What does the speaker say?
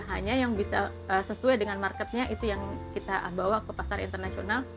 hanya yang bisa sesuai dengan marketnya itu yang kita bawa ke pasar internasional